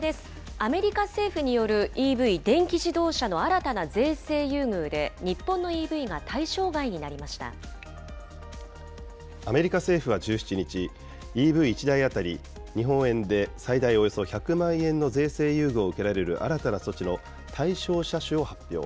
アメリカ政府によるＥＶ・電気自動車の新たな税制優遇で、日本のアメリカ政府は１７日、ＥＶ１台当たり日本円で最大およそ１００万円の税制優遇を受けられる新たな措置の対象車種を発表。